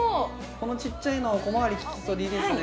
このちっちゃいの小回り利きそうでいいですね